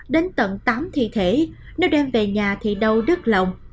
đến tận tám thi thể nếu đem về nhà thì đâu đứt lòng